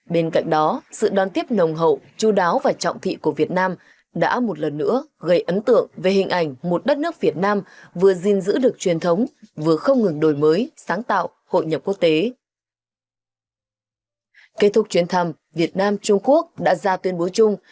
bên cạnh đó sự đoán tiếp nồng hậu chú đáo và trọng thị của việt nam đã một lần nữa gây ấn tượng về hình ảnh một đất nước việt nam vừa gìn giữ được truyền thống